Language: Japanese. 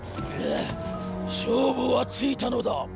勝負はついたのだ！